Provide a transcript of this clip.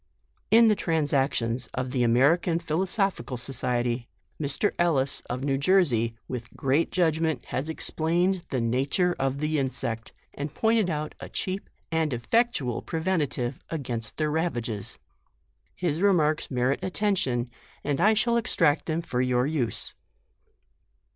In the transactions of the American Philo 140 JUNE. sophical Society, Mr. Ellis, of New Jersey t with great judgment, has explained the na ture of the insect, and pointed out a cheap and effectual preventive against their rava ges. His remarks merit attention, and I shall extract them for your use.